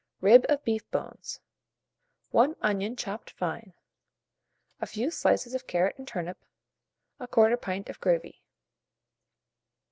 Rib of beef bones, 1 onion chopped fine, a few slices of carrot and turnip, 1/4 pint of gravy.